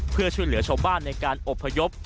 เพื่อช่วยเหลือชาวบ้านในการอบพยพ